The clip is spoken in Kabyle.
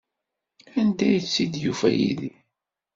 Anda ay tt-id-yufa Yidir?